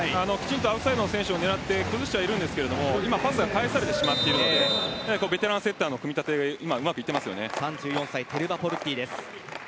アウトサイドの選手を狙って崩してはいるんですが返されてしまっているのでベテランセッターの組み立てがうまくいっていますよね。